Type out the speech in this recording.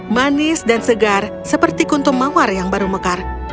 manis dan segar seperti kuntum mawar yang baru mekar